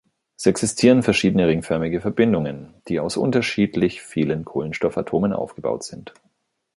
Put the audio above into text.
Es existieren verschiedene ringförmige Verbindungen, die aus unterschiedlich vielen Kohlenstoffatomen aufgebaut sind.